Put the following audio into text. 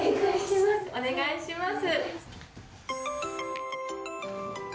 お願いします。